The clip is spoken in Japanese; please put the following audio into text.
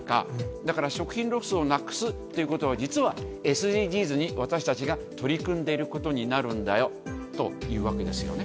だから食品ロスをなくすということは、実はＳＤＧｓに、私たちが取り組んでいることになるんだよというわけですよね。